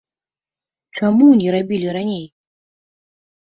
Чаму не рабілі раней?